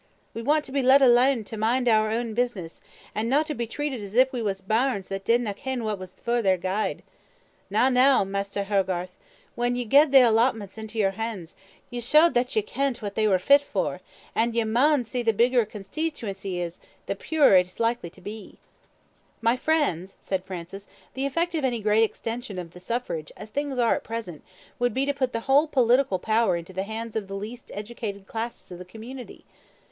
We want to be let alane to mind oor ain business, an no to be treated as if we was bairns that didna ken what was for their gude. Na, na, Maister Hogarth, when ye gied thae allotments to your hinds, ye showed that ye kent what they were fit for, an' ye MAUN see that the bigger a consteetuency is, the purer it is like to be." "My friends," said Francis, "the effect of any great extension of the suffrage, as things are at present, would be to put the WHOLE political power into the hands of the least educated classes of the community."